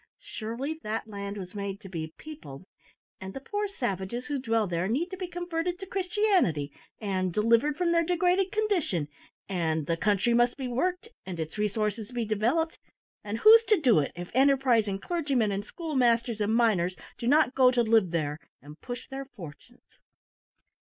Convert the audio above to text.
Surely that land was made to be peopled; and the poor savages who dwell there need to be converted to Christianity, and delivered from their degraded condition; and the country must be worked, and its resources be developed; and who's to do it, if enterprising clergymen, and schoolmasters, and miners do not go to live there, and push their fortunes?"